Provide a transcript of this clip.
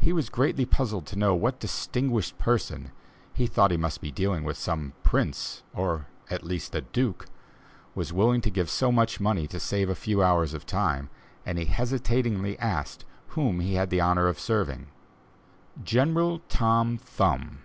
He was greatly puzzled to know what distinguished person he thought he must be dealing with some prince, or, at least, a duke was willing to give so much money to save a few hours of time, and he hesitatingly asked whom he had the honor of serving. "General Tom Thumb."